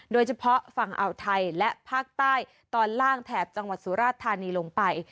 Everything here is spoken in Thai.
โดยเฉพาะฝั่งอ่าวไทยและภาคใต้ตอนล่างแถบจังหวัดสุราชธานีลงไป